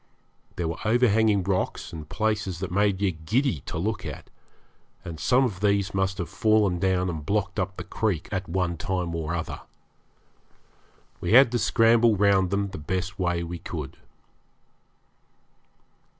There were overhanging rocks and places that made you giddy to look at, and some of these must have fallen down and blocked up the creek at one time or other. We had to scramble round them the best way we could.